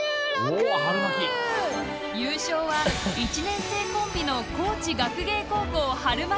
優勝は１年生コンビの高知学芸高校「はるまき」。